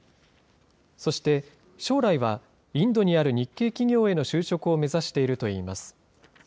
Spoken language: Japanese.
そして、将来はインドにある日系企業への就職を目指しているといいます。